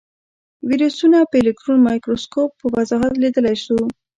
ویروسونه په الکترون مایکروسکوپ په وضاحت لیدلی شو.